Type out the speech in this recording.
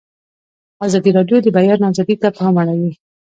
ازادي راډیو د د بیان آزادي ته پام اړولی.